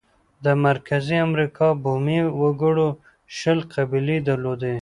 د مرکزي امریکا بومي وګړو شل قبیلې درلودې.